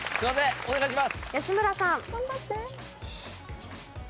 お願いします！